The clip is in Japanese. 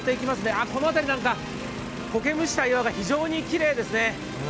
あっ、この辺りなんか、こけ蒸した岩が非常にきれいですね。